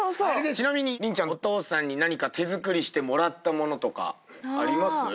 ちなみに麟ちゃんお父さんに何か手作りしてもらったものとかあります？